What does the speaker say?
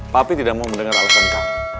papi tidak mau mendengar alasan kami